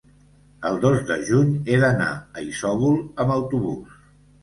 el dos de juny he d'anar a Isòvol amb autobús.